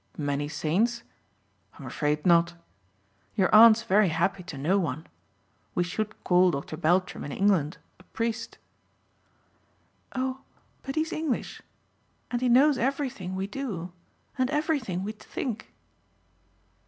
"Many saints? I'm afraid not. Your aunt's very happy to know one. We should call Dr. Beltram in England a priest." "Oh but he's English. And he knows everything we do and everything we think."